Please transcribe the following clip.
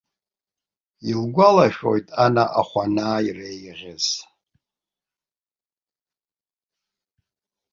Илгәалашәоит ана ахәанаа иреиӷьыз.